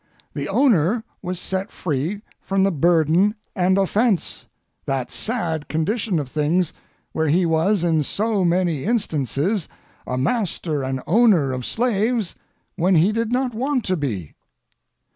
The owner was set free from the burden and offence, that sad condition of things where he was in so many instances a master and owner of slaves when he did not want to be.